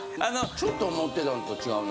ちょっと思ってたんと違うな。